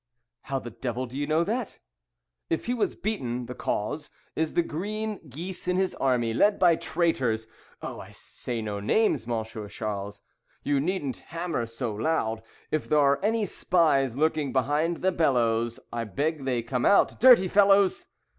"How the Devil do you know that? If he was beaten, the cause Is the green geese in his army, led by traitors. Oh, I say no names, Monsieur Charles, You needn't hammer so loud. If there are any spies lurking behind the bellows, I beg they come out. Dirty fellows!"